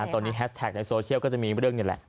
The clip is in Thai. ตอนนี้แฮสแท็กในโซเชียลก็จะมีเรื่องนี้แหละ